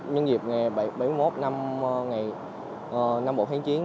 nhân dịp ngày bảy mươi một năm bộ kháng chiến